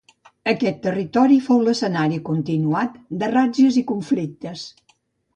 Aquest territori fou l'escenari continuat de ràtzies i conflictes.